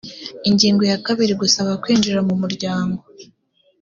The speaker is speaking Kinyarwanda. ingingo ya kabiri gusaba kwinjira mu muryango